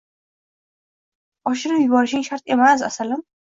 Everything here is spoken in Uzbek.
“Oshirib yuborishing shart emas, asalim.